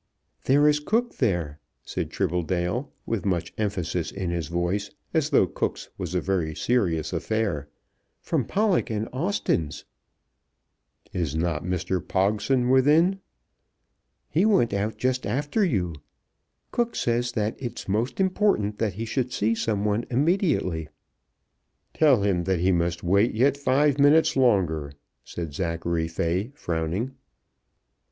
"There is Cooke there," said Tribbledale, with much emphasis in his voice, as though Cooke's was a very serious affair; "from Pollock and Austen's." "Is not Mr. Pogson within?" "He went out just after you. Cooke says that it's most important that he should see some one immediately." "Tell him that he must wait yet five minutes longer," said Zachary Fay, frowning.